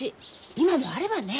今もあればね！